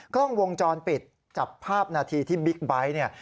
กล้องวงจรปิดจับภาพนาทีที่บิ๊กไบท์เนี่ย